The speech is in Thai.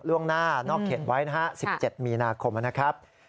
ล่วงหน้านอกเขตไว้นะฮะ๑๗มีนาคมนะครับ